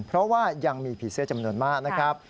เพราะว่ายังมีผีเสื้อจำนวนมากนะครับ